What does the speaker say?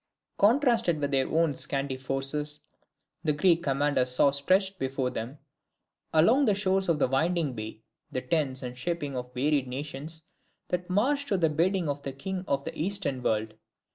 Contrasted with their own scanty forces, the Greek commanders saw stretched before them, along the shores of the winding bay, the tents and shipping of the varied nations that marched to do the bidding of the King of the Eastern world.